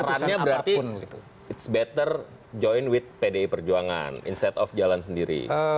sarannya berarti it's better join with pdi perjuangan instead of jalan sendiri